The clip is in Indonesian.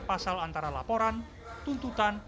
pasal antara laporan tuntutan